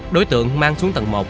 đối tượng mang xuống tầng một